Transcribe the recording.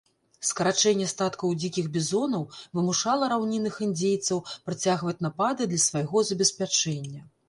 Скарачэнне статкаў дзікіх бізонаў вымушала раўнінных індзейцаў працягваць напады для свайго забеспячэння.